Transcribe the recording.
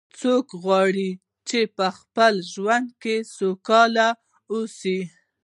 څوک غواړي چې په خپل ژوند کې سوکاله و اوسي